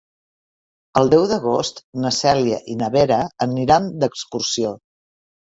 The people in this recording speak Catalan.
El deu d'agost na Cèlia i na Vera aniran d'excursió.